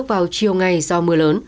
chiều ngày do mưa lớn